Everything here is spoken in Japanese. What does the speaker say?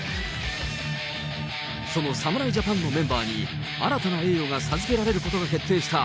その侍ジャパンのメンバーに、新たな栄誉が授けられることが決定した。